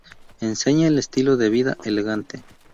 Enseña el estilo de vida elegante.